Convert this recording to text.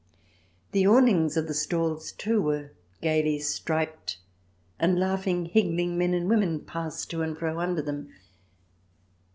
The awnings of the stalls, too, were gaily striped, and laughing, higgling men and women passed to and fro under them.